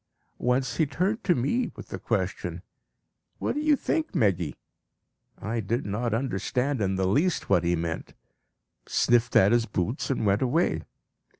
Once he turned to me with the question, 'What do you think, Meggy?' I did not understand in the least what he meant, sniffed at his boots, and went away.